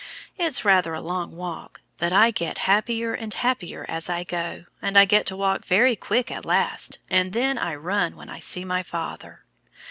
It's rather a long walk, but I get happier and happier as I go, and I get to walk very quick at last, and then I run when I see my father.